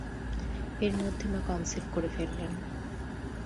এর মধ্যে মা কনসিভ করে ফেললেন।